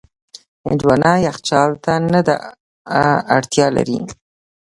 هندوانه یخچال ته نه ده اړتیا لري.